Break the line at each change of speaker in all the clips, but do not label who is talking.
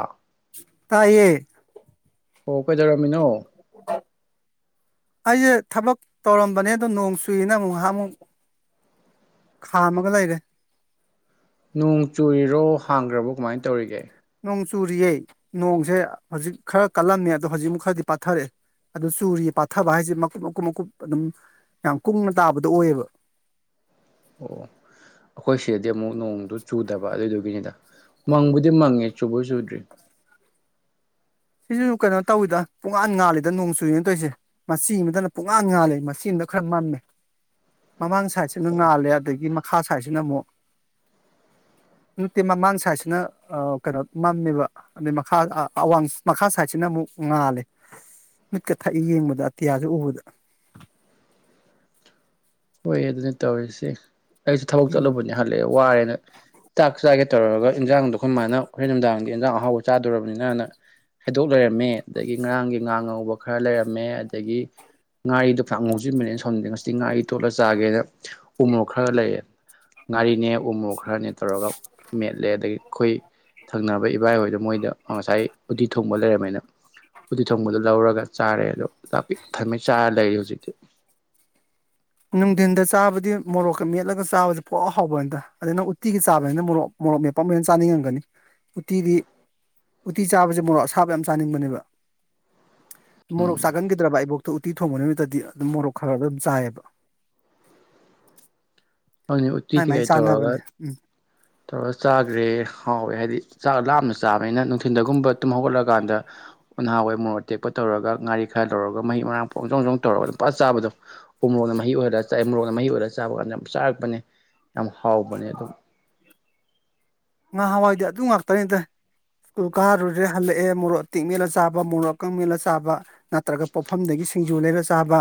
ꯑꯥ
ꯇꯥꯏꯌꯦ
ꯑꯣ ꯀꯩꯗꯧꯔꯝꯃꯤꯅꯣ
ꯑꯩꯁꯦ ꯊꯕꯛ ꯇꯧꯔꯝꯕꯅꯦ ꯑꯗꯣ ꯅꯣꯡ ꯆꯨꯏꯅ ꯉꯍꯥꯛ ꯑꯃꯨꯛ ꯈꯥꯝꯃꯒ ꯂꯩꯔꯦ
ꯅꯣꯡ ꯆꯨꯔꯤꯔꯣ ꯍꯥꯡꯈ꯭ꯔꯕꯣ ꯀꯃꯥꯏꯅ ꯇꯧꯔꯤꯒꯦ
ꯅꯣꯡ ꯆꯨꯔꯤꯌꯦ ꯅꯣꯡꯖꯦ ꯍꯧꯖꯤꯛ ꯈꯔ ꯀꯜꯂꯝꯃꯦ ꯑꯗꯣ ꯍꯧꯖꯤꯛꯃꯨꯛ ꯈꯔꯗꯤ ꯄꯥꯊꯔꯦ ꯑꯗꯨ ꯆꯨꯔꯤ ꯄꯥꯊꯕ ꯍꯥꯏꯖꯦ ꯃꯀꯨꯞ ꯃꯀꯨꯞ ꯃꯀꯨꯞ ꯑꯗꯨꯝ ꯌꯥꯝ ꯀꯨꯡꯅ ꯇꯥꯕꯗꯣ ꯑꯣꯏꯌꯦꯕ
ꯑꯣ ꯑꯩꯈꯣꯏ ꯁꯤꯗꯗꯤ ꯑꯃꯨꯛ ꯅꯣꯡꯗꯨ ꯆꯨꯗꯕ ꯑꯗꯨꯏꯗꯨꯒꯤꯅꯤꯗ ꯃꯪꯕꯨꯗꯤ ꯃꯪꯉꯦ ꯆꯨꯕꯨ ꯆꯨꯗ꯭ꯔꯤ
ꯁꯤꯁꯨ ꯀꯩꯅꯣ ꯇꯧꯋꯤꯗ ꯄꯨꯡꯉꯥꯟ ꯉꯥꯜꯂꯤꯗ ꯅꯣꯡ ꯆꯨꯔꯤꯅ ꯇꯧꯔꯤꯁꯦ ꯃꯆꯤ ꯑꯃꯗꯅ ꯄꯨꯡꯉꯥꯟ ꯉꯥꯜꯂꯦ ꯃꯆꯤ ꯑꯃꯗ ꯈꯔ ꯃꯝꯃꯦ ꯃꯃꯥꯡ ꯁꯥꯏꯠꯁꯤꯅ ꯉꯥꯜꯂꯦ ꯑꯗꯒꯤ ꯃꯈꯥ ꯁꯥꯏꯠꯁꯤꯅ ꯃꯨꯛ ꯅꯨꯠꯇꯦ ꯃꯃꯥꯡ ꯁꯥꯏꯠꯁꯤꯅ ꯑꯥ ꯀꯩꯅꯣ ꯃꯝꯃꯦꯕ ꯑꯗꯩ ꯃꯈꯥ ꯑꯥ ꯑꯋꯥꯡ ꯃꯈꯥ ꯁꯥꯏꯠꯁꯤꯅ ꯑꯃꯨꯛ ꯉꯥꯜꯂꯦ ꯃꯤꯠꯀ ꯊꯛꯏ ꯌꯦꯡꯕꯗ ꯑꯇꯤꯌꯥꯖꯨ ꯎꯕꯗ
ꯍꯣꯏ ꯑꯗꯨꯅꯤ ꯇꯧꯔꯤꯁꯦ ꯑꯩꯁꯨ ꯊꯕꯛ
ꯎꯝ
ꯆꯠꯂꯨꯕꯅꯤ ꯍꯜꯂꯛꯑꯦ ꯋꯥꯏꯌꯦꯅ ꯆꯥꯛ ꯆꯥꯒꯦ ꯇꯧꯔꯒ ꯏꯟꯖꯥꯡꯗꯣ ꯑꯈꯣꯏ ꯃꯥꯅ ꯍꯣꯔꯦꯟ ꯅꯨꯡꯗꯥꯡꯗꯤ ꯏꯟꯖꯥꯡ ꯑꯍꯥꯎꯕ ꯆꯥꯗꯣꯔꯕꯅꯤꯅꯅ ꯍꯩꯗꯣꯛ ꯂꯩꯔꯝꯃꯦ ꯑꯗꯒꯤ ꯉꯔꯥꯡꯒꯤ ꯉꯥ ꯉꯧꯕ ꯈꯔ ꯂꯩꯔꯝꯃꯦ ꯑꯗꯒꯤ ꯉꯥꯔꯤꯗꯣ ꯐꯅꯥꯝ ꯉꯧꯖꯤꯟꯕꯅꯦ ꯑꯩꯅ ꯁꯥꯎꯅꯤꯡꯗꯅ ꯉꯁꯤ ꯉꯥꯏ ꯇꯣꯠꯂ ꯆꯥꯒꯦꯅ ꯎꯃꯣꯔꯣꯛ ꯈꯔꯒ ꯂꯩꯔꯛꯑꯦ ꯉꯥꯔꯤꯅꯦ ꯎꯃꯣ ꯈꯔꯅꯦ ꯇꯧꯔꯒ ꯃꯦꯠꯂꯦ ꯑꯗꯩꯏ ꯑꯩꯈꯣꯏ ꯊꯪꯅꯕ ꯏꯕꯥꯏꯍꯣꯏꯗ ꯃꯣꯏꯗ ꯉꯁꯥꯏ ꯎꯠꯇꯤ ꯊꯣꯡꯕ ꯂꯩꯔꯝꯃꯦꯅ ꯎꯗꯤ ꯊꯣꯡꯕꯗꯣ ꯂꯧꯔꯒ ꯆꯥꯔꯦ ꯑꯗꯣ ꯆꯥꯛ ꯄꯤꯛ ꯊꯝꯃꯩ ꯆꯥꯔ ꯂꯩꯔꯤ ꯍꯧꯖꯤꯛꯇꯤ
ꯅꯨꯡꯗꯤꯟꯗ ꯆꯥꯕꯗꯤ ꯃꯣꯔꯣꯛꯀ ꯃꯦꯠꯂꯒ ꯆꯥꯕꯁꯤ ꯄꯨꯍꯥꯎ ꯍꯥꯎꯕꯅꯤꯗ ꯑꯗ ꯅꯪ ꯎꯇꯤꯒꯤ ꯆꯥꯕꯅꯤꯅ ꯃꯣꯔꯣꯛ ꯃꯣꯔꯣꯛ ꯃꯦꯠꯄ ꯑꯃꯨꯛ ꯍꯦꯟꯅ ꯆꯥꯅꯤꯡꯉꯝꯒꯅꯤ ꯎꯇꯤꯗꯤ ꯎꯇꯤ ꯆꯥꯕꯖꯦ ꯃꯣꯔꯣꯛ ꯑꯁꯥꯕ ꯌꯥꯝ ꯆꯥꯅꯤꯡꯕꯅꯦꯕ ꯃꯣꯔꯣꯛ
ꯎꯝ
ꯆꯥꯒꯟꯒꯤꯗ꯭ꯔꯕ ꯑꯩꯕꯣꯛꯇꯣ ꯎꯇꯤ ꯊꯣꯡꯕ ꯅꯨꯃꯤꯠꯇꯗꯤ ꯑꯗꯨꯝ ꯃꯣꯔꯣꯛ ꯈꯒ ꯑꯗꯨꯝ ꯆꯥꯏꯑꯕ
ꯑꯣꯅꯦ ꯎꯠꯇ
ꯃꯥꯏ ꯃꯥꯏ
ꯀꯩꯀꯩ ꯇꯧꯒꯔ
ꯆꯥꯟꯅꯕꯅꯦ ꯎꯝ
ꯇꯧꯔ ꯆꯥꯒ꯭ꯔꯦ ꯍꯥꯎꯋꯦ ꯍꯥꯏꯗꯤ ꯆꯥꯛ ꯂꯥꯝꯅ ꯆꯥꯕꯅꯤꯅ ꯅꯨꯡꯊꯤꯟꯗꯒꯨꯝꯕ ꯇꯨꯝ ꯍꯧꯒꯠꯂ ꯀꯥꯟꯗ ꯅꯍꯥꯋꯥꯏ ꯃꯣꯔꯣꯛ ꯑꯇꯦꯛꯄ ꯇꯧꯔꯒ ꯉꯥꯔꯤ ꯈꯔ ꯂꯧꯔꯒ ꯃꯍꯤꯛ ꯃꯔꯥꯡ ꯐꯣꯡ ꯆꯣꯡ ꯆꯣꯡ ꯇꯔꯒ ꯐꯖꯅꯥ ꯆꯥꯕꯗꯣ ꯎꯃꯔꯣꯛꯅ ꯃꯍꯤ ꯑꯣꯍꯟꯂ ꯆꯥꯏ ꯃꯨꯔꯣꯛꯝꯅ ꯃꯍꯤ ꯑꯣꯏꯔ ꯆꯥꯕ‌ꯀꯥꯟ ꯌꯥꯝ ꯆꯥ ꯈꯪꯉꯦ ꯌꯥꯝ ꯍꯥꯎꯕꯅꯦ ꯑꯗꯨꯝ
ꯉꯍꯥꯟꯋꯥꯏꯗꯤ ꯑꯗꯨ ꯉꯥꯛꯇꯅꯦꯗ ꯀꯨꯜ ꯀꯥꯔꯨꯔꯦ ꯍꯜꯂꯛꯑꯦ ꯃꯣꯔꯣꯛ ꯑꯇꯦꯛ ꯃꯦꯠꯂ ꯆꯥꯕ ꯃꯣꯔꯣꯛ ꯑꯀꯪ ꯃꯦꯠꯂ ꯆꯥꯕ ꯅꯠꯇ꯭ꯔꯒ ꯄꯣꯠꯐꯝꯗꯒꯤ ꯁꯤꯡꯖꯨ ꯂꯩꯔ ꯆꯥꯕ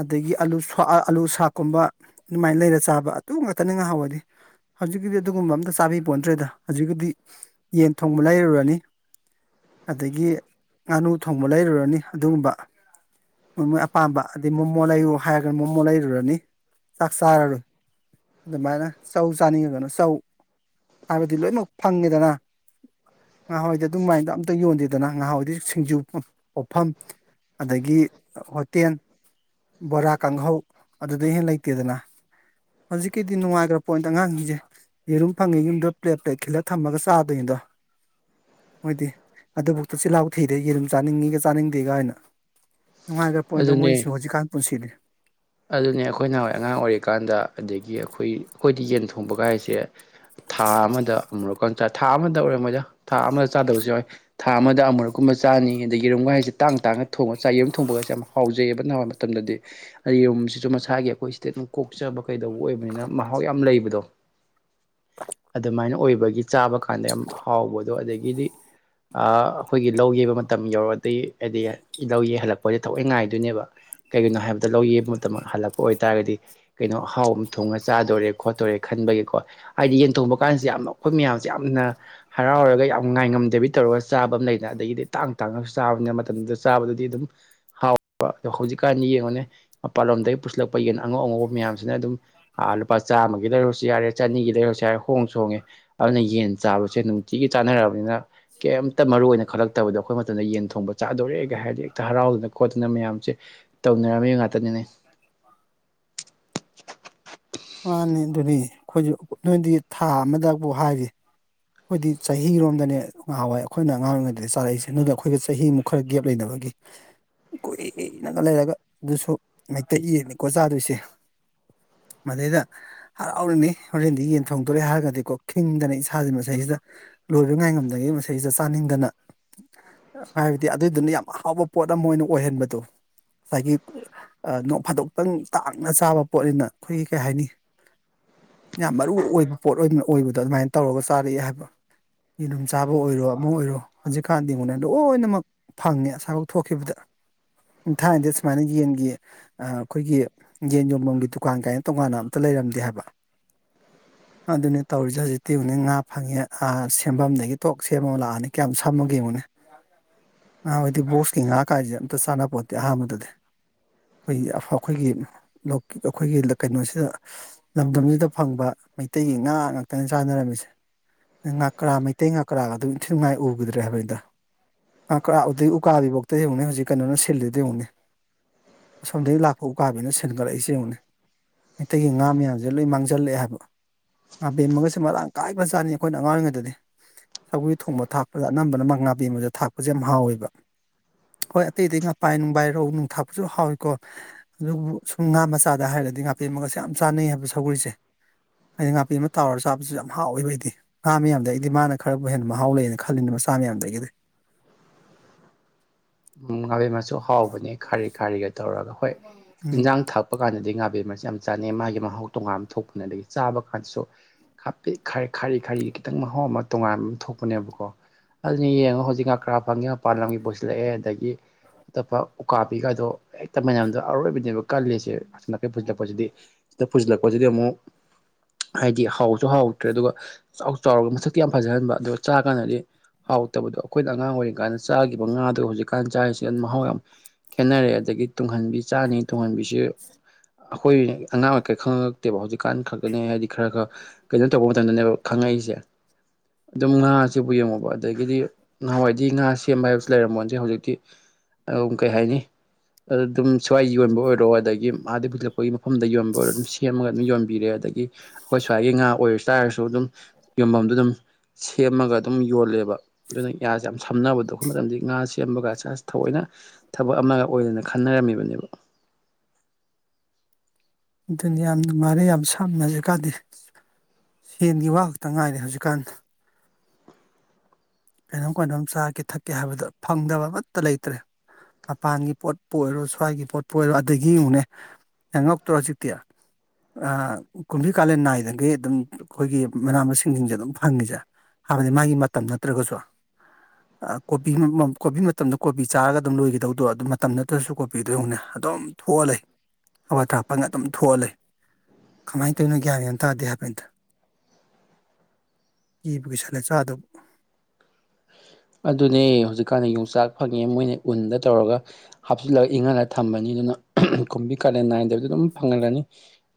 ꯑꯗꯒꯤ ꯑꯨ ꯑꯥꯂꯨ ꯁꯥꯛꯀꯨꯝꯕ ꯑꯗꯨꯃꯥꯏꯅ ꯂꯩꯔ ꯆꯥꯕ ꯑꯗꯨ ꯉꯥꯛꯇꯅ ꯉꯍꯥꯋꯥꯏꯗꯤ ꯍꯧꯖꯤꯛꯀꯤꯗꯤ ꯑꯗꯨꯒꯨꯝꯕ ꯑꯝꯇ ꯆꯥꯕꯤ ꯄꯣꯟꯇ꯭ꯔꯦꯗ ꯍꯧꯖꯤꯛꯀꯤꯗꯤ ꯌꯦꯟ ꯊꯣꯡꯕ ꯂꯩꯔꯨꯔꯅꯤ ꯑꯗꯒꯤ ꯉꯥꯅꯨ ꯊꯣꯡꯕ ꯂꯩꯔꯨꯔꯅꯤ ꯑꯗꯨꯒꯨꯝꯕ ꯃꯣꯏ ꯃꯣꯏ ꯑꯄꯥꯝꯕ ꯑꯗꯩ ꯃꯣꯃꯣ ꯂꯩꯌꯨ ꯍꯥꯏꯔꯒꯅ ꯃꯣꯃꯣ ꯂꯩꯔꯨꯔꯅꯤ ꯆꯥꯛ ꯆꯥꯔꯔꯣꯏ ꯑꯗꯨꯃꯥꯏꯅ ꯆꯧ ꯆꯥꯅꯤꯡꯉꯒꯅ ꯆꯧ ꯍꯥꯏꯕꯗꯤ ꯂꯣꯏꯃꯛ ꯐꯪꯉꯤꯗꯅ ꯉꯍꯥꯋꯥꯏꯗꯤ ꯑꯗꯨꯃꯥꯏꯅ ꯑꯝꯇ ꯌꯣꯟꯗꯦꯗꯅ ꯉꯍꯥꯋꯥꯏꯗꯤ ꯁꯤꯡꯖꯨ ꯄꯣꯐꯝ ꯑꯗꯒꯤ ꯍꯣꯇꯦꯟ ꯕꯣꯔꯥ ꯀꯥꯡꯍꯧ ꯑꯗꯨꯗꯩ ꯍꯦꯟꯅ ꯂꯩꯇꯦꯗꯅ ꯍꯧꯖꯤꯛꯀꯤꯗꯤ ꯅꯨꯡꯉꯥꯏꯈ꯭ꯔꯥ ꯄꯣꯠꯅꯤꯗ ꯑꯉꯥꯡꯁꯤꯡꯁꯦ ꯌꯦꯔꯨꯝ ꯐꯪꯉꯦ ꯌꯨꯝꯗ ꯄ꯭ꯂꯦꯠ ꯄ꯭ꯂꯦꯠ ꯈꯤꯜꯂꯒ ꯊꯝꯃꯒ ꯆꯥꯗꯣꯏꯅꯤꯗꯣ ꯃꯣꯏꯗꯤ ꯑꯗꯨꯕꯧꯗ ꯆꯤꯜꯍꯥꯎ ꯊꯤꯗꯦ ꯌꯦꯔꯨꯝ ꯆꯥꯅꯤꯡꯉꯤꯒ ꯆꯥꯅꯤꯡꯗꯦꯒꯥꯅ ꯅꯨꯡꯉꯥꯏꯒꯔ ꯄꯣꯠꯅꯤꯗ
ꯑꯗꯨꯅꯦ
ꯃꯣꯏꯁꯨ ꯍꯧꯖꯤꯛꯀꯥꯟ ꯄꯨꯟꯁꯤꯗꯤ
ꯑꯗꯨꯅꯦ ꯑꯩꯈꯣꯏꯅꯋꯥꯏ ꯑꯉꯥꯡ ꯑꯣꯏꯔꯤꯀꯥꯟꯗ ꯑꯗꯒꯤ ꯑꯩꯈꯣꯏ ꯑꯩꯈꯣꯏꯗꯤ ꯌꯦꯟ ꯊꯣꯡꯕꯒꯥꯏꯖꯦ ꯊꯥ ꯑꯃꯗ ꯑꯃꯨꯔꯛꯀ ꯆ ꯊꯥ ꯑꯃꯗ ꯑꯣꯏꯔꯝꯃꯣꯏꯗ ꯊꯥ ꯑꯃꯗ ꯆꯥꯗꯕꯁꯨ ꯌꯥꯎꯏ ꯊꯥ ꯑꯃꯗ ꯑꯃꯨꯔꯛꯀꯨꯝꯕ ꯆꯥꯅꯤ ꯑꯗꯒꯤ ꯌꯦꯔꯨꯝꯒꯥꯏꯖꯦ ꯇꯥꯡ ꯇꯥꯡꯅ ꯊꯣꯡꯉꯒ ꯆꯥꯏ ꯌꯦꯔꯨꯝ ꯊꯣꯡꯕꯒꯖꯦ ꯌꯥꯝ ꯍꯥꯎꯖꯩꯑꯦꯕ ꯑꯗꯨꯅꯍꯥꯟꯋꯥꯏ ꯇꯝꯗꯗꯤ ꯑꯩ ꯌꯨꯝꯝꯁꯤꯁꯨ ꯃꯁꯥꯒꯤ ꯑꯩꯈꯣꯏ ꯁꯤꯗ ꯑꯗꯨꯝ ꯀꯣꯛꯆꯕ ꯀꯩꯗꯧꯕ ꯑꯣꯏꯕꯅꯤꯅ ꯃꯍꯥꯎ ꯌꯥꯝ ꯂꯩꯕꯗꯣ ꯑꯗꯨꯃꯥꯏꯅ ꯑꯣꯏꯕꯒꯤ ꯆꯥꯕ ꯀꯥꯟꯗ ꯌꯥꯝ ꯍꯥꯎꯕꯗꯣ ꯑꯗꯒꯤꯗꯤ ꯑ ꯑꯩꯈꯣꯏꯒꯤ ꯂꯧ ꯌꯩꯕ ꯃꯇꯝ ꯌꯧꯔꯗꯤ ꯍꯥꯏꯗꯤ ꯂꯧ ꯌꯩ ꯍꯜꯂꯛꯄꯖꯦ ꯊꯑꯣꯏ ꯉꯥꯏꯗꯨꯏꯅꯦꯕ ꯀꯩꯒꯤꯅꯣ ꯍꯥꯏꯕꯗ ꯂꯧ ꯌꯩꯕ ꯃꯇꯝ ꯍꯜꯂꯛꯄ ꯑꯣꯏꯇꯥꯔꯒꯗꯤ ꯀꯩꯅꯣ ꯑꯍꯥꯎꯕ ꯑꯝ ꯊꯣꯡꯉ ꯆꯥꯗꯣꯔꯦ ꯈꯣꯠꯇꯣꯔꯦ ꯈꯟꯕꯒꯤꯀꯣ ꯍꯥꯏꯗꯤ ꯌꯦꯟꯊꯣꯡꯕ ꯀꯥꯟꯖꯦ ꯌꯥꯝꯅ ꯑꯩꯈꯣꯏ ꯃꯌꯥꯝꯖꯦ ꯌꯥꯝꯅ ꯍꯔꯥꯎꯔꯒ ꯌꯥꯝ ꯉꯥꯏꯉꯝꯗꯕꯤ ꯇꯧꯔꯒ ꯆꯥꯕ ꯑꯃ ꯂꯩꯗꯥꯏ ꯑꯗꯒꯤꯗꯤ ꯇꯥꯡ ꯇꯥꯡꯅ ꯆꯥꯕꯅꯤꯅ ꯃꯇꯝꯗꯨꯗ ꯆꯥꯕꯗꯨꯗꯤ ꯑꯗꯨꯝ ꯍꯥꯎ ꯄꯔ ꯗꯣ ꯍꯧꯖꯤꯛꯀꯥꯟꯗꯤ ꯌꯦꯡꯉꯨꯅꯦ ꯃꯄꯥꯥꯟꯂꯣꯝꯗꯒꯤ ꯄꯨꯁꯤꯜꯂꯛꯄ ꯌꯦꯟ ꯑꯉꯧ ꯑꯉꯧꯕ ꯃꯌꯥꯝꯁꯤꯅ ꯑꯗꯨꯝ ꯑꯥ ꯂꯨꯄꯥ ꯆꯥꯝꯃꯒꯤ ꯂꯩꯔꯨꯔ ꯖꯤꯌꯥꯔꯦ ꯆꯅꯤꯒꯤ ꯂꯩꯔꯁꯨ ꯌꯥꯔꯦ ꯍꯣꯡꯁꯨ ꯍꯣꯡꯉꯦ ꯑꯗꯨꯅ ꯌꯦꯟ ꯆꯥꯕꯁꯦ ꯅꯨꯡꯇꯤꯒꯤ ꯆꯥꯅꯔꯕꯅꯤꯅ ꯀꯦꯝꯇ ꯃꯔꯨꯏ ꯑꯣꯏꯅ ꯈꯜꯂꯛꯇꯕꯗꯣ ꯑꯩꯈꯣꯏ ꯃꯇꯝꯗ ꯌꯦꯟ ꯊꯣꯡꯕ ꯆꯥꯗꯣꯔꯦꯒ ꯍꯥꯏꯔꯗꯤ ꯍꯦꯛꯇ ꯍꯔꯥꯎꯗꯅ ꯈꯣꯠꯇꯅ ꯃꯌꯥꯝꯁꯦ ꯇꯧꯅꯔꯝꯃꯤ ꯉꯥꯛꯇꯅꯤꯅꯦ
[inaudible] ꯃꯥꯅꯦ ꯑꯗꯨꯗꯤ ꯑꯩꯈꯣꯏꯖꯨ ꯅꯣꯏꯗꯤ ꯊꯥ ꯑꯃꯗꯕꯨ ꯍꯥꯏꯔꯤ ꯑꯩꯈꯣꯏꯗꯤ ꯆꯍꯤꯔꯣꯝꯗꯅꯦ ꯉꯍꯥꯟꯋꯥꯏ ꯑꯩꯈꯣꯏꯅ ꯑꯉꯥꯡ ꯑꯣꯏꯔꯤꯉꯩꯗꯗꯤ ꯆꯥꯔꯛꯏꯁꯦ ꯑꯗꯨꯅ ꯑꯩꯈꯣꯏꯒꯤ ꯆꯍꯤꯃꯨꯛ ꯈꯔ ꯒꯦꯞ ꯂꯩꯅꯕꯒꯤ ꯀꯨꯏꯅꯒ ꯂꯩꯔꯒ ꯑꯗꯨꯁꯨ ꯃꯩꯇꯩ ꯌꯦꯟꯅꯤꯀꯣ ꯆꯥꯗꯨꯏꯁꯦ ꯃꯗꯩꯗ ꯍꯔꯥꯎꯔꯤꯅꯤ ꯍꯣꯔꯦꯟꯗꯤ ꯌꯦꯟ ꯊꯣꯡꯗꯣꯔꯦ ꯍꯥꯏꯔꯒꯗꯤꯀꯣ ꯈꯤꯡꯗꯅ ꯏꯁꯥꯖꯤꯃ ꯗꯩꯁꯤꯗ ꯂꯣꯏꯕ ꯉꯥꯏꯉꯝꯗꯒꯩ ꯃꯁꯤꯗꯩꯁꯤꯗ ꯆꯥꯅꯤꯡꯗꯅ ꯍꯥꯏꯕꯗꯤ ꯑꯗꯨꯏꯗꯨꯅ ꯌꯥꯝ ꯑꯍꯥꯎꯕ ꯄꯣꯠ ꯑꯃ ꯑꯣꯏꯅ ꯑꯣꯏꯍꯟꯕꯗꯣ ꯉꯁꯥꯏꯒꯤ ꯅꯣꯡ ꯐꯥꯗꯣꯛꯇꯪ ꯇꯥꯡꯅ ꯆꯥꯕ ꯄꯣꯠꯅꯤꯅ ꯑꯩꯈꯣꯏꯒꯤ ꯀꯩ ꯍꯥꯏꯅꯤ ꯌꯥꯝ ꯃꯔꯨ ꯑꯣꯏꯕ ꯄꯣꯠ ꯑꯣꯏꯅ ꯑꯣꯏꯕꯗꯣ ꯑꯗꯨꯃꯥꯏꯅ ꯇꯧꯔꯒ ꯆꯥꯔꯛꯑꯦ ꯍꯥꯏꯕ ꯌꯦꯂꯨꯝ ꯆꯥꯕ ꯑꯣꯏꯔꯣ ꯑꯃ ꯑꯣꯏꯔꯣ ꯍꯧꯖꯤꯛꯀꯥꯟꯗꯤ ꯉꯨꯅꯦ ꯂꯣꯏꯅꯃꯛ ꯊꯪꯉꯦ ꯑꯁꯥꯏꯕꯧ ꯊꯣꯛꯈꯤꯕꯗ ꯊꯥꯏꯅꯗꯤ ꯑꯁꯨꯃꯥꯏꯅ ꯌꯦꯟꯒꯤ ꯑ ꯑꯩꯈꯣꯏꯒꯤ ꯌꯦꯟ ꯌꯣꯟꯕꯝꯒꯤ ꯗꯨꯀꯥꯟ ꯀꯥꯏꯅ ꯇꯣꯡꯉꯥꯟꯅ ꯑꯝꯇ ꯂꯩꯔꯝꯗꯦ ꯍꯥꯏꯕ ꯑꯗꯨꯅꯦ ꯇꯧꯔꯤꯖꯦ ꯍꯧꯖꯤꯛꯇꯤ ꯉꯨꯅꯦ ꯉꯥꯞ ꯐꯪꯉꯦ ꯑ ꯁꯦꯝꯕꯝꯗꯒꯤ ꯇꯣꯛ ꯁꯦꯝꯃꯒ ꯂꯥꯛꯑꯅꯤ ꯀꯌꯥꯝ ꯁꯝꯃꯒꯦ ꯌꯦꯡꯉꯨꯅꯦ ꯉꯍꯥꯋꯥꯏꯗꯤ ꯕꯣꯛꯁꯀꯤ ꯉꯥꯏꯍꯥ ꯀꯥꯏꯖꯦ ꯑꯝꯇ ꯆꯥꯟꯅꯄꯣꯠꯇꯦ ꯑꯍꯥꯟꯕꯗꯗꯤ ꯈꯣꯏꯒꯤ ꯑꯩꯈꯣꯏꯒꯤ ꯑꯩꯈꯣꯏꯒꯤ ꯀꯩꯅꯣꯁꯤꯗ ꯂꯝꯗꯝꯁꯤꯗ ꯐꯪꯕ ꯃꯩꯇꯩꯒꯤ ꯉꯥ ꯉꯥꯛꯇꯅ ꯆꯥꯅꯔꯝꯃꯤꯁꯦ ꯉꯥꯀꯔꯥ ꯃꯩꯇꯩ ꯉꯥꯀꯔꯥꯒꯗꯨ ꯏꯟꯊꯤꯅꯨꯡꯉꯥꯏ ꯎꯒꯤꯗ꯭ꯔꯦ ꯍꯥꯏꯕꯅꯤꯗ ꯉꯥꯀꯔꯥ ꯑꯨꯗꯩ ꯎꯀꯥꯕꯤꯕꯧꯗ ꯌꯦꯡꯉꯨꯅꯦ ꯍꯧꯖꯤꯛ ꯀꯩꯅꯣꯅ ꯁꯤꯜꯂꯤꯗ ꯌꯦꯡꯎꯅꯦ ꯑꯁꯣꯝꯗꯒꯤ ꯂꯥꯛꯄ ꯎꯀꯥꯕꯤꯅ ꯁꯦꯟꯒꯠꯂꯛꯏꯁꯦ ꯌꯦꯡꯉꯨꯅꯦ ꯃꯩꯇꯩꯒꯤ ꯉꯥ ꯃꯌꯥꯝꯁꯦ ꯂꯣꯏ ꯃꯥꯡꯖꯜꯂꯛꯑꯦ ꯍꯥꯏꯕ ꯉꯥꯕꯦꯝꯃꯒꯁꯦ ꯃꯔꯥꯡ ꯀꯥꯏ ꯕꯖꯥꯅꯤ ꯑꯩꯈꯣꯏꯅ ꯑꯉꯥꯡ ꯑꯣꯏꯔꯤꯉꯩꯗꯗꯤ ꯁꯧꯒ꯭ꯔꯤ ꯊꯣꯡꯕ ꯊꯥꯛꯄꯗ ꯑꯅꯝꯕꯅ ꯃ ꯉꯥꯕꯦꯝꯃꯖꯦ ꯊꯥꯛꯄꯖꯦ ꯌꯥꯝ ꯍꯥꯎꯋꯦꯕ ꯍꯣꯏ ꯑꯇꯩ ꯑꯇꯩ ꯉꯥꯄꯥꯏ ꯅꯨꯡꯕꯥꯏ ꯔꯧ ꯅꯨꯡ ꯊꯥꯛꯄꯁꯨ ꯍꯥꯎꯏꯀꯣ ꯗꯨꯕꯨ ꯁꯨꯝ ꯉꯥ ꯃꯆꯥꯗ ꯍꯥꯏꯔꯒꯗꯤ ꯉꯥꯄꯦꯝꯃꯒꯁꯦ ꯌꯥꯝ ꯆꯥꯅꯩ ꯍꯥꯏꯕ ꯁꯒ꯭ꯔꯤꯁꯦ ꯑꯩ ꯉꯥꯄꯦꯝꯃ ꯇꯥꯎꯔ ꯆꯥꯕꯁꯨ ꯌꯥꯝ ꯍꯥꯎꯌꯦꯕ ꯑꯩꯗꯤ ꯉꯥ ꯃꯌꯥꯝꯗ ꯑꯩꯗꯤ ꯃꯥꯅ ꯈꯔꯕꯨ ꯍꯦꯟꯅ ꯃꯍꯥꯎ ꯂꯩꯌꯦꯅ ꯈꯜꯂꯤꯅꯤ ꯃꯆꯥ ꯃꯌꯥꯝꯗꯒꯤꯗꯤ
ꯎꯝ ꯉꯥꯕꯦꯝꯃꯁꯨ ꯍꯥꯎꯕꯅꯦ ꯈꯥꯔꯤ ꯈꯥꯔꯤꯒ ꯇꯧꯔꯒ ꯍꯣꯏ
ꯎꯝ
ꯏꯟꯖꯥꯡ ꯊꯥꯛ ꯄ ꯀꯥꯟꯗꯗꯤ ꯉꯥꯕꯦꯝꯃꯁꯦ ꯌꯥꯝ ꯆꯥꯅꯩ ꯃꯥꯒꯤ ꯃꯍꯥꯎ ꯇꯣꯉꯥꯟ ꯑꯝ ꯊꯣꯛꯄꯅꯦ ꯑꯗꯒꯤ ꯆꯥꯕ ꯀꯥꯟꯗꯁꯨ ꯍꯥꯄꯤꯠ ꯈꯔꯤ ꯈꯥꯔꯤ ꯈꯔꯤ ꯈꯤꯇꯪ ꯃꯍꯥꯎ ꯑꯃ ꯇꯣꯉꯥꯟꯕ ꯑꯝ ꯊꯣꯛꯄꯅꯦꯕꯀꯣ ꯑꯗꯨꯅꯤ ꯌꯦꯡꯉꯣ ꯍꯧꯖꯤꯛ ꯉꯥꯀ꯭ꯔꯥ ꯐꯪꯉꯦ ꯃꯄꯥꯟ ꯂꯝꯒꯤ ꯄꯨꯁꯤꯜꯂꯛꯑꯦ ꯑꯗꯒꯤ ꯑꯇꯣꯞꯄ ꯎꯀꯥꯄꯤꯒꯥꯏꯗꯣ ꯍꯦꯛꯇ ꯃꯌꯥꯝꯗꯣ ꯑꯔꯣꯏꯕꯤꯅꯦꯕ ꯀꯜꯂꯤꯁꯤ ꯑꯁꯣ ꯅꯥꯀꯩ ꯄꯨꯖꯤꯂꯛꯄꯖꯤꯗꯤ ꯁꯤꯗ ꯄꯨꯨꯖꯤꯜꯂꯛꯄꯖꯤꯗꯤ ꯑꯃꯨꯛ ꯍꯥꯏꯗꯤ ꯍꯥꯎꯁꯨ ꯍꯥꯎꯇ꯭ꯔꯦ ꯑꯗꯨꯒ ꯆꯥꯎ ꯆꯥꯎꯔꯒ ꯃꯁꯛꯇꯤ ꯌꯥꯝ ꯐꯖꯍꯟꯕ ꯑꯗꯨꯒ ꯆꯥꯔꯀꯥꯟꯗꯗꯤ ꯍꯥꯎꯇꯕꯗꯣ ꯑꯈꯣꯏꯅ ꯑꯉꯥꯡ ꯑꯣꯏꯔꯤ ꯀꯥꯟꯗ ꯆꯥꯒꯤꯕ ꯉꯥꯗꯣ ꯍꯧꯖꯤꯛꯀꯥꯟ ꯆꯥꯏꯁꯤꯒ ꯃꯍꯥꯎ ꯌꯥꯝ ꯈꯦꯠꯅꯔꯑꯦ ꯑꯗꯒꯤ ꯇꯨꯡꯍꯟꯕꯤ ꯆꯥꯅꯤ ꯇꯨꯡꯍꯟꯕꯤꯁꯨ ꯑꯈꯣꯏꯒꯤ ꯑꯉꯥꯡ ꯑꯣꯏꯀꯩ ꯈꯪꯉꯛꯇꯦꯕ ꯍꯧꯖꯤꯛꯀꯥꯟ ꯈꯛꯇꯅꯦ ꯍꯥꯏꯗꯤ ꯈꯔ ꯈ ꯀꯩꯅꯣ ꯇꯧꯕ ꯃꯇꯝꯗꯅꯦꯕ ꯈꯪꯉꯛꯏꯖꯦ ꯗꯨꯝ ꯉꯥꯥ ꯁꯤꯕꯨ ꯌꯦꯡꯉꯣꯕ ꯑꯗꯒꯤꯗꯤ ꯆꯍꯥꯋꯥꯏꯗꯤ ꯉꯥ ꯁꯦꯝꯕ ꯍꯥꯏꯕꯁꯨ ꯂꯩꯔꯝꯃꯣꯟꯇꯦ ꯍꯧꯖꯤꯛꯇꯤ ꯑꯎꯝ ꯀꯩ ꯍꯥꯏꯅꯤ ꯑꯗꯗꯨꯝ ꯁꯨꯋꯥꯏ ꯌꯣꯟꯕ ꯑꯣꯏꯔꯣ ꯑꯗꯒꯤ ꯑꯥꯗꯩ ꯄꯨꯁꯤꯜꯂꯛꯄꯒꯤ ꯃꯐꯝꯗ ꯌꯣꯟꯕ ꯑꯣꯏꯔꯣ ꯑꯗꯨꯝ ꯁꯦꯝꯃꯒ ꯑꯗꯨꯝ ꯌꯣꯟꯕꯤꯔꯦ ꯑꯗꯒꯤ ꯑꯈꯣꯏ ꯁ꯭ꯋꯥꯏꯒꯤ ꯉꯥ ꯑꯣꯏꯔ ꯆꯥꯔꯁꯨ ꯑꯗꯨꯝ ꯌꯣꯟꯕꯝꯗꯗꯨꯝ ꯁꯦꯝꯃꯒ ꯑꯗꯨꯝ ꯌꯣꯜꯂꯦꯕ ꯗꯨꯅ ꯌꯥ ꯁꯦ ꯌꯥꯝ ꯁꯝꯅꯕꯗꯣ ꯑꯈꯣꯏ ꯃꯇꯝꯗꯤ ꯉꯥ ꯁꯦꯝꯕꯒꯥꯁꯦ ꯑꯁ ꯊꯑꯣꯏꯅ ꯊꯕꯛ ꯑꯃꯒ ꯑꯣꯏꯗꯅ ꯈꯟꯅꯔꯝꯃꯤꯕꯅꯦꯕ
ꯗꯨꯅꯤ ꯌꯥꯝ ꯅꯨꯡꯉꯥꯏꯔꯦ ꯌꯥꯝ ꯁꯥꯝ ꯍꯧꯖꯤꯛꯀꯥꯟꯗꯦ ꯍꯦꯟꯒꯤ ꯋꯥ ꯈꯛꯇ ꯉꯥꯏꯔꯦ ꯍꯧꯖꯤꯛꯀꯥꯟ ꯀꯩꯅꯣꯝ ꯀꯅꯣꯝ ꯆꯥꯒꯦ ꯊꯛꯀꯦ ꯍꯥꯏꯕꯗ ꯐꯪꯗꯕ ꯑꯃꯠꯇ ꯂꯩꯇ꯭ꯔꯦ ꯃꯄꯥꯟꯒꯤ ꯄꯣꯠꯄꯨ ꯑꯣꯏꯔꯣ ꯁ꯭ꯋꯥꯏꯒꯤ ꯄꯣꯠꯄꯨ ꯑꯣꯏꯔꯣ ꯑꯗꯒꯤ ꯌꯦꯉꯨꯅꯦ ꯑꯦ ꯉꯛꯇ꯭ꯔꯣ ꯍꯧꯖꯤꯛꯇꯤ ꯑ ꯀꯨꯝꯕꯤ ꯀꯥꯂꯦꯟ ꯅꯥꯏꯗꯒꯩ ꯑꯗꯨꯝ ꯑꯈꯣꯏꯒꯤ ꯃꯅꯥ ꯃꯁꯤꯡꯁꯤꯡꯖꯦ ꯑꯗꯨꯝ ꯐꯪꯉꯤꯖꯦ ꯍꯥꯏꯕꯗꯤ ꯃꯥꯒꯤ ꯃꯇꯝ ꯅꯠꯇ꯭ꯔꯒꯁꯨ ꯑ ꯀꯣꯕꯤ ꯑꯃꯃꯝ ꯀꯣꯕꯤ ꯃꯇꯝꯗ ꯀꯣꯕꯤ ꯆꯥꯔꯒ ꯑꯗꯨꯝ ꯂꯣꯏꯒꯤꯗꯧꯗꯣ ꯑꯗꯨꯝ ꯃꯇꯝ ꯅꯠꯇ꯭ꯔꯁꯨ ꯀꯣꯕꯤꯗꯣ ꯌꯉꯨꯅꯦ ꯑꯗꯨꯝ ꯊꯣꯛꯑ ꯂꯩ ꯍꯋꯥ ꯊ꯭ꯔꯥꯞ ꯄꯪꯉ ꯑꯗꯨꯝ ꯊꯣꯛꯑ ꯂꯩ ꯀꯃꯥꯏꯟ ꯇꯧꯌꯤꯅꯣ ꯒ꯭ꯌꯥꯟ ꯌꯥꯝ ꯇꯥꯗꯦ ꯍꯥꯏꯕꯅꯤꯗꯥ ꯀꯤꯕꯨ ꯀꯤꯁꯜꯂꯦ ꯆꯥꯗꯧ
ꯑꯗꯨꯅꯦ ꯍꯧꯖꯤꯛꯀꯥꯟꯗꯤ ꯌꯣꯡꯆꯥꯛ ꯐꯪꯉꯦ ꯃꯣꯏꯅ ꯎꯟꯗ ꯇꯧꯔꯒ ꯍꯥꯞꯆꯤꯜꯂꯒ ꯏꯪꯍꯜꯂ ꯊꯝꯃꯅꯤ ꯑꯗꯨꯅ ꯀꯨꯝꯕꯤ ꯀꯥꯂꯦꯟ ꯅꯥꯏꯗꯕꯤꯗ ꯑꯗꯨꯝ ꯐꯪꯉꯜꯂꯅꯤ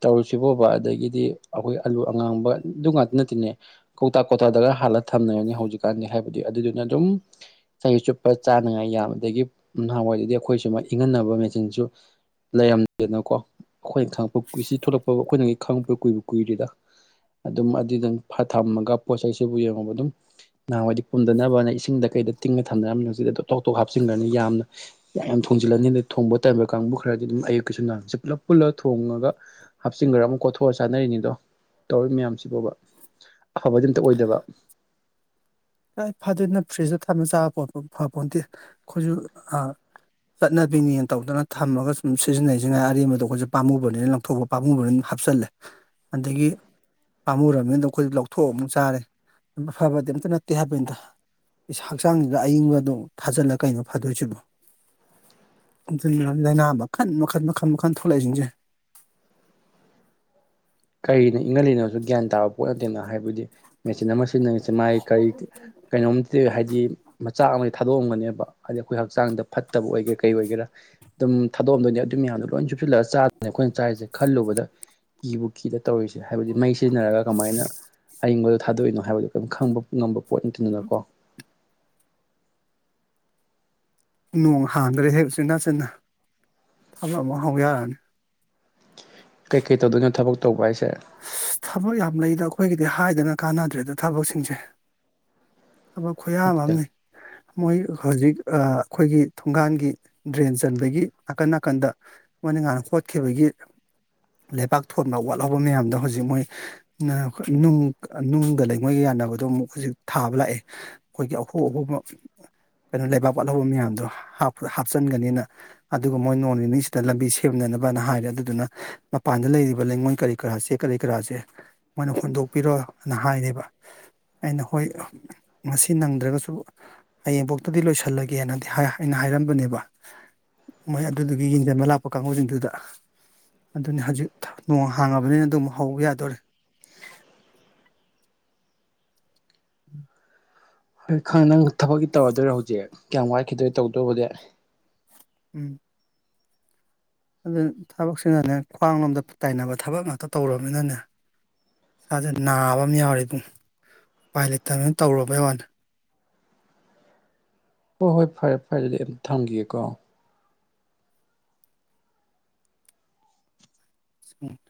ꯇꯧꯔꯤꯁꯤꯕꯣꯕ ꯑꯗꯒꯤꯗꯤ ꯑꯈꯣꯏ ꯑꯂꯨ ꯑꯉꯥꯡꯕꯗꯨ ꯉꯥꯛꯇ ꯅꯠꯇꯦꯅꯦ ꯀꯧꯇꯥꯥ ꯀꯣꯇꯥꯗꯒ ꯍꯥꯥꯟꯂꯒ ꯊꯝꯅꯔꯅꯤ ꯍꯧꯖꯤꯛꯀꯥꯟꯅꯤ ꯍꯥꯏꯕꯗꯤ ꯑꯗꯨꯗꯨꯅ ꯑꯗꯨꯝ ꯆꯍꯤ ꯆꯨꯞꯄ ꯆꯥꯅꯉꯥꯏ ꯌꯥꯝ ꯑꯗꯒꯤ ꯅꯍꯥꯟꯋꯥꯏꯗꯗꯤ ꯑꯈꯣꯏ ꯁꯨꯃꯥꯏ ꯏꯪꯍꯟꯅꯕ ꯃꯦꯆꯤꯟꯖꯨ ꯂꯩꯔꯝ ꯗꯦꯅꯀꯣ ꯑꯈꯣꯏꯅ ꯈꯪꯉꯛꯄ ꯀꯨꯏ ꯁꯤ ꯊꯣꯛꯂꯛꯄ ꯕꯧ ꯑꯈꯣꯏꯅꯌꯤ ꯈꯪꯉꯛꯄ ꯀꯨꯏꯕꯨ ꯀꯨꯏꯗ꯭ꯔꯤꯗ ꯑꯗꯨꯝ ꯑꯗꯨꯗꯪ ꯐ ꯊꯝꯃꯒ ꯄꯣꯠꯆꯩꯁꯤꯕꯨ ꯌꯦꯡꯉꯣꯕ ꯑꯗꯨꯝ ꯅꯍꯥꯟꯋꯥꯏꯗꯤ ꯄꯨꯝꯗꯅꯕꯅ ꯏꯁꯤ ꯁꯤꯡꯗ ꯀꯩꯗ ꯇꯤꯡꯉ ꯊꯝꯅꯔꯝꯃꯤꯅ ꯑꯩ ꯍꯧꯖꯤꯛ ꯑꯗꯣ ꯇꯣꯞ ꯇꯣꯞ ꯍꯥꯞꯆꯤꯟꯒ꯭ꯔꯅꯤ ꯌꯥꯝꯅ ꯌꯥ ꯌꯥꯝ ꯊꯣꯡꯖꯤꯜꯂꯅꯤ ꯑꯗ ꯊꯣꯡꯕ ꯇꯟꯕ ꯀꯥꯡꯕꯨ ꯈꯔꯗꯤ ꯑꯗꯨꯝ ꯑꯌꯨꯛꯀꯤꯁꯨ ꯅꯨꯡꯗꯥꯡꯒꯤꯁꯨ ꯄꯨꯂꯞ ꯄꯨꯜꯂꯒ ꯊꯣꯡꯉꯒ ꯍꯥꯞꯆꯤꯟꯒ꯭ꯔ ꯑꯃꯨꯛ ꯀꯣꯊꯣꯛꯑ ꯆꯥꯅꯔꯤꯅꯤꯗꯣ ꯇꯧꯔꯤ ꯃꯌꯥꯝꯁꯤꯕꯣꯕ ꯑꯐꯕꯗꯤ ꯑꯝꯇ ꯑꯣꯏꯗꯕ
ꯍꯥꯏ ꯐꯗꯣꯏꯅꯣ [unintelligible] ꯐ꯭ꯔꯤꯖꯇ ꯊꯝꯅ ꯆꯥꯕ ꯄꯣꯠꯄ ꯐ ꯄꯣꯟꯇꯦ ꯈꯣꯏꯖꯨ ꯑ ꯆꯠꯅꯕꯤꯅꯦꯅ ꯇꯧꯗꯅ ꯊꯝꯃꯒ ꯁꯨꯝ ꯁꯤꯖꯤꯟꯅꯩꯖꯤ ꯉꯥꯏ ꯑꯔꯦꯝꯕꯗꯣ ꯑꯈꯣꯏꯖꯨ ꯄꯥꯃꯨꯕꯅꯤꯅ ꯂꯪꯊꯣꯛꯄ ꯄꯥꯝꯃꯨꯕꯩ ꯍꯥꯞꯆꯜꯂꯦ ꯑꯗꯒꯤ ꯄꯥꯝꯃꯨꯔ꯭ꯕꯅꯤꯅ ꯗꯨꯝ ꯈꯣꯏꯗꯤ ꯂꯧꯊꯣꯛꯑ ꯑꯃꯨꯛ ꯆꯥꯔꯦ ꯎꯝ ꯑꯐꯕꯗꯤ ꯑꯝꯇ ꯅꯠ__ ꯇꯦ ꯍꯥꯏꯕꯅꯤꯗ ꯏꯁꯥ ꯍꯛꯆꯥꯡꯖꯤꯗ ꯑꯌꯤꯡꯕꯗꯣ ꯊꯥꯖꯤꯜꯂ ꯀꯩꯅꯣ ꯐꯥꯗꯣꯏꯖꯤꯕꯣ ꯑꯗꯨ ꯏꯅ [unintelligible] ꯂꯩꯅꯥ ꯃꯈꯟ ꯃꯈꯟ ꯃꯈꯟ ꯃꯈꯟ ꯊꯣꯂꯛꯏꯖꯤꯡꯖꯦ
ꯀꯔꯤꯅ ꯏꯪꯍꯟꯂꯤꯅꯣꯁꯨ ꯒ꯭ꯌꯥꯟ ꯇꯥꯕ ꯄꯣꯠ ꯅꯠꯇꯦꯅ ꯍꯥꯏꯕꯗꯤ ꯃꯦꯆꯤꯟ ꯑꯃ ꯁꯤꯖꯤꯟꯅꯩꯁꯦ ꯃꯥꯒꯤ ꯀꯔꯤ ꯀꯩꯅꯣꯝꯗꯤ ꯍꯥꯏꯗꯤ ꯃꯆꯥꯛ ꯑꯃ ꯊꯥꯗꯣꯛꯑꯝꯒꯅꯤꯕ ꯍꯥꯏꯗꯤ ꯑꯩꯈꯣꯏ ꯍꯛꯆꯥꯡꯗ ꯐꯠꯇꯕ ꯑꯣꯏꯒꯦꯔꯥ ꯀꯩ ꯑꯣꯏꯒꯦꯔꯥ ꯑꯗꯨꯝ ꯊꯥꯗꯣꯛꯑꯝꯗꯣꯏꯅꯦ ꯑꯗꯨ ꯃꯌꯥꯝꯗꯣ ꯂꯣꯏ ꯆꯨꯞꯁꯤꯜꯂꯒ ꯆꯥꯗꯣꯢꯅꯤ ꯑꯩꯈꯣꯏꯅ ꯆꯥꯔꯤꯁꯦ ꯈꯜꯂꯨꯕꯗ ꯀꯤꯕꯨ ꯀꯤꯗ ꯇꯧꯔꯤꯁꯦ ꯍꯥꯏꯕꯗꯤ ꯃꯩ ꯁꯤꯖꯤꯟꯅꯔꯒ ꯀꯃꯥꯏꯅ ꯑꯌꯤꯡꯕꯗ ꯊꯥꯗꯣꯛꯏꯅꯣ ꯍꯥꯏꯕꯗꯣ ꯀꯩꯝ ꯈꯪꯕ ꯉꯝꯕ ꯄꯣꯠ ꯅꯠꯇꯦꯗꯅꯀꯣ
ꯅꯣꯡ ꯍꯥꯡꯈ꯭ꯔꯦꯍꯦ ꯎꯆꯤꯟ ꯅꯥꯆꯤꯟꯅ ꯊꯕꯛ ꯑꯃꯨꯛ ꯍꯧ ꯌꯥꯔꯅꯤ
ꯀꯩ ꯀꯩ ꯇꯧꯗꯣꯏꯅꯣ ꯊꯕꯛ ꯇꯧꯕ ꯍꯥꯏꯁꯦ
ꯑꯁ ꯊꯕꯛ ꯌꯥꯝ ꯂꯩꯗ ꯑꯩꯈꯣꯏꯒꯤꯗꯤ ꯍꯥꯏꯗꯅ ꯀꯥꯟꯅꯗ꯭ꯔꯦꯗ ꯊꯕꯛꯁꯤꯡꯁꯦ ꯊꯕꯛ ꯈꯨꯌꯥꯝ
ꯅꯠꯇꯦꯗ
ꯑꯃꯅꯤ ꯃꯣꯏ ꯍꯧꯖꯤꯛ ꯑꯩꯈꯣꯏꯒꯤ ꯊꯣꯡꯒꯥꯟꯒꯤ ꯗ꯭ꯔꯦꯟ ꯆꯟꯕꯒꯤ ꯅꯥꯀꯟ ꯅꯥꯀꯟꯗ ꯃꯣꯏꯅ ꯅꯍꯥꯟ ꯈꯣꯠꯈꯤꯕꯒꯤ ꯂꯩꯕꯥꯛ ꯊꯣꯟꯕ ꯋꯥꯠꯍꯧꯕ ꯃꯌꯥꯝꯗꯣ ꯍꯧꯖꯤꯛ ꯃꯣꯏ ꯅꯨꯡ ꯅꯨꯡꯒ ꯂꯩꯉꫭꯏꯒ ꯌꯥꯟꯅꯕꯗꯣ ꯑꯃꯨꯛ ꯍꯧꯖꯤꯛ ꯊꯥꯕ ꯂꯥꯛꯑꯦ ꯑꯩꯈꯣꯏꯒꯤ ꯑꯍꯣ ꯑꯍꯣꯕ ꯀꯩꯅꯣ ꯂꯩꯕꯥꯛ ꯋꯥꯠꯍꯧꯕ ꯃꯌꯥꯝꯗꯣ ꯍꯥꯞꯆꯤꯟꯒꯅꯤꯅ ꯑꯗꯨꯒ ꯃꯣꯏ ꯅꯣꯡꯅꯤꯅꯤꯁꯤꯗ ꯂꯝꯕꯤ ꯁꯦꯝꯅꯅꯕꯅ ꯍꯥꯏꯔꯦ ꯑꯗꯨꯗꯨꯅ ꯃꯄꯥꯟꯗ ꯂꯩꯔꯤꯕ ꯂꯩꯉꯣꯏ ꯀꯔꯤ ꯀꯔꯥꯁꯦ ꯀꯔꯤ ꯀꯔꯥꯁꯦ ꯃꯣꯏꯅ ꯍꯣꯟꯗꯣꯛꯄꯤꯔꯣꯅ ꯍꯥꯏꯔꯦꯕ ꯑꯩꯅ ꯍꯣꯏ ꯉꯁꯤ ꯅꯪꯗ꯭ꯔꯒꯁꯨ ꯍꯌꯦꯡꯕꯣꯛꯇꯗꯤ ꯂꯣꯏꯁꯜꯂꯒꯦꯅꯗꯤ ꯑꯩꯅ ꯍꯥꯏꯔꯝꯕꯅꯦꯕ ꯃꯣꯏ ꯑꯗꯨꯗꯨꯒꯤ ꯌꯦꯡꯖꯟꯕ ꯂꯥꯛꯄ ꯀꯥꯡꯕꯨꯁꯤꯡꯗꯨꯗ ꯑꯗꯨꯅꯤ ꯍꯧꯖꯤꯛ ꯅꯣꯡ ꯍꯥꯡꯉꯕꯅꯤꯅ ꯑꯗꯨꯃꯨꯛ ꯍꯧꯕ ꯌꯥꯗꯣꯔꯦ
ꯍꯣꯏ ꯈꯪ ꯅꯪ ꯊꯕꯛꯇꯤ ꯇꯧꯔꯗꯣꯏꯔꯣ ꯍꯧꯖꯤꯛ ꯀꯌꯥꯝ ꯋꯥꯏꯈꯤꯗꯣꯏ ꯇꯧꯗꯧꯕꯗꯤ
ꯎꯝ ꯑꯗꯨ ꯊꯕꯛꯁꯤꯅꯅꯦ ꯈ꯭ꯋꯥꯡ ꯂꯣꯝꯗ ꯇꯥꯏꯅꯕ ꯊꯕꯛ ꯉꯥꯛꯇ ꯇꯧꯔꯕꯅꯤꯅꯅꯦ ꯏꯁꯥꯁꯦ ꯅꯥꯕ ꯑꯃ ꯌꯥꯎꯔꯦ ꯑꯗꯨꯨꯝ ꯎꯄꯥꯏ ꯂꯩꯇꯗꯅ ꯇꯧꯔꯕꯩ ꯋꯥꯅꯦ
ꯍꯣꯏ ꯍꯣꯏ ꯐꯔꯦ ꯐꯔꯦ ꯑꯗꯨꯗꯤ ꯑꯝ ꯊꯝꯈꯤꯒꯦꯀꯣ
ꯀ [inaudible]